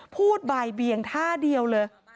พูดบ่ายเบียงท่าเดียวเลย